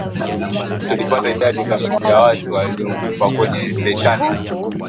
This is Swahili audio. tulipata idadi kamili ya watu waliyokufa kwenye titanic